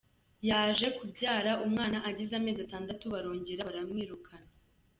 Yaje kubyara, umwana agize amezi atandatu barongera baramwirukana.